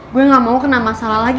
gue gak mau kena masalah lagi